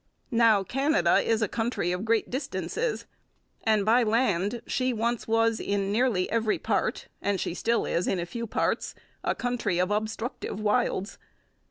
Now, Canada is a country of great distances; and by land she once was in nearly every part, and she still is in a few parts, a country of obstructive wilds.